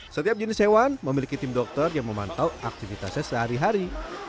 setiap jenis hewan memiliki tim dokter yang memantau aktivitasnya sehari hari